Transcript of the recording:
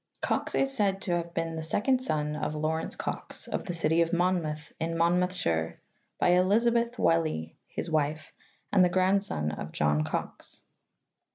Cox is said to have been the second son of Lawrence Cox of the city of Monmouth in Monmouthshire by Elizabeth Willey his _,. wife, and the grandson of John Cox.'